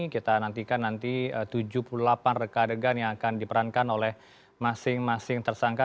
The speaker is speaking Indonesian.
kita nantikan nanti tujuh puluh delapan rekadegan yang akan diperankan oleh masing masing tersangka